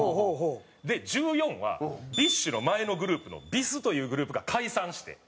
で「１４」はＢｉＳＨの前のグループのＢｉＳというグループが解散して。